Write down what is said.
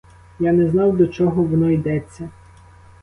Я не знав, до чого воно йдеться.